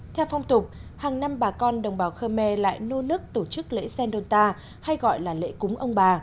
theo phong tục hàng năm bà con đồng bào khmer lại nô nức tổ chức lễ sen đôn ta hay gọi là lễ cúng ông bà